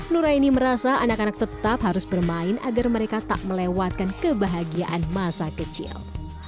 nuraini merasa anak anak tetap harus bermain agar mereka tak melewatkan kebahagiaan masa kecil